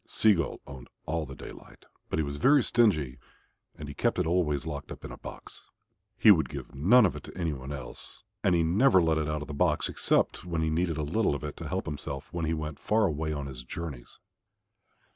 Sea gull owned all the daylight, but he was very stingy and he kept it always locked up in a box. He would give none of it to anyone else, and he never let it out of the box except when he needed a little of it to help himself when he went far away on his journeys.